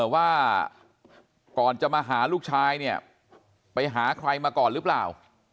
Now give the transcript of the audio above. ว่าก่อนจะมาหาลูกชายเนี่ยไปหาใครมาก่อนหรือเปล่า